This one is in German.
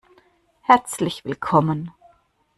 Herzlich willkommen!